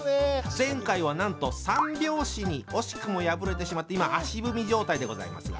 前回はなんと三拍子に惜しくも敗れてしまって今足踏み状態でございますが。